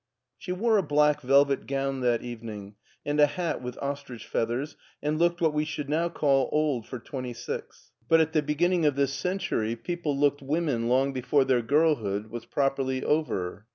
She wore a black velvet gown that evening, and a hat with ostrich feathers, and looked what we should now call old for twenty six, but at the beginning of this century people looked women long before their girlhood LEIPSIC 121 was properly over.